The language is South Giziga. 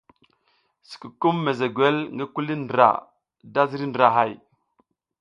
Sikukum mezegwel ngi kuli ndra da ziriy ndrahay.